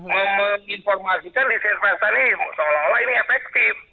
menginformasikan disinfektan ini seolah olah ini efektif